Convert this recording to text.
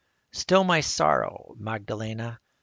Still thy sorrow, Magdalen a